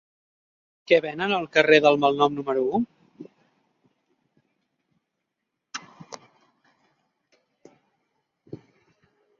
Què venen al carrer del Malnom número u?